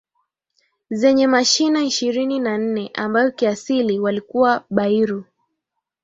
zenye mashina ishirini na nne ambayo kiasili walikuwa Bairu